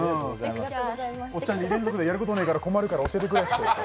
おっちゃん、２連続でやることないから教えてくれっていって。